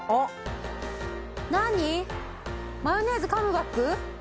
マヨネーズカムバック？